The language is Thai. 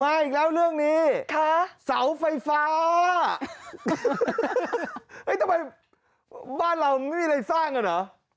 อีกแล้วเรื่องนี้เสาไฟฟ้าทำไมบ้านเราไม่มีอะไรสร้างอ่ะเหรอ